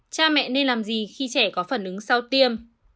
cha mẹ nên làm gì khi trẻ có phản ứng sau tiêm